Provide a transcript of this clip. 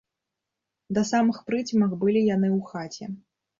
Да самых прыцемак былі яны ў хаце.